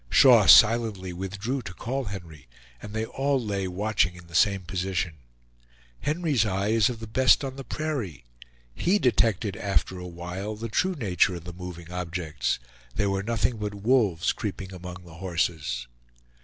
Shaw silently withdrew to call Henry, and they all lay watching in the same position. Henry's eye is of the best on the prairie. He detected after a while the true nature of the moving objects; they were nothing but wolves creeping among the horses.